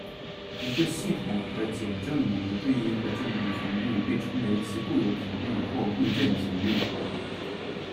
一个系统的简正模对应的振动频率被称为其固有频率或共振频率。